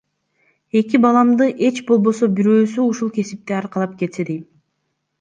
Эки баламдын эч болбосо бирөөсү ушул кесипти аркалап кетсе дейм.